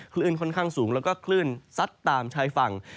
คลื่นค่อนข้างสูงแล้วก็คลื่นซัดตามชายฝั่ง